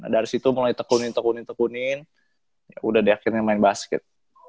dari situ mulai tekunin tekunin tekunin udah deh akhirnya main basket